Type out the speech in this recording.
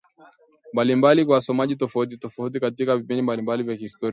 mbalimbali kwa wasomaji tofauti tofauti katika vipindi mbalimbali vya kihistoria